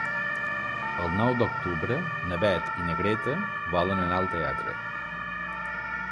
El nou d'octubre na Beth i na Greta volen anar al teatre.